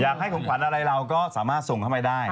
ของขวัญอะไรเราก็สามารถส่งเข้ามาได้